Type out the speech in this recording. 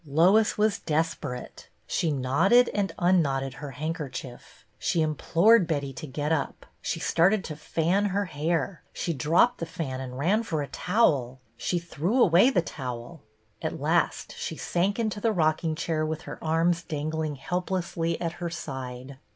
Lois was desperate. She knotted and HER FIRST RECEPTION 103 unknotted her handkerchief ; she implored Betty to get up; she started to fan her hair; she dropped the fan and ran for a towel ; she threw away the towel ; at last she sank into the rocking chair with her arms dangling helplessly at her side.